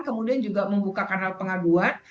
kemudian juga membuka kanal pengaduan